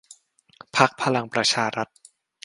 พรรคพลังประชารัฐ